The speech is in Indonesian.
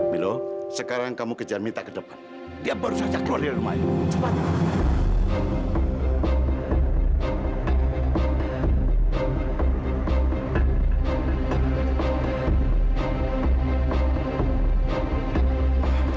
bila sekarang kamu kejar minta ke depan dia baru saja keluar dari rumah ini